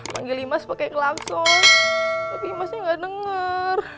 panggil imas pake klakson tapi imasnya gak denger